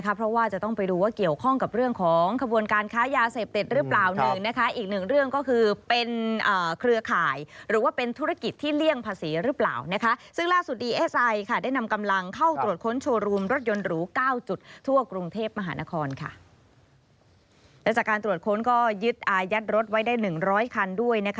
และจากการตรวจค้นก็ยึดอายัดรถไว้ได้หนึ่งร้อยคันด้วย